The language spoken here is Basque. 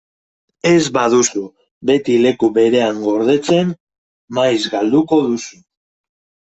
Ez baduzu beti leku berean gordetzen, maiz galduko duzu.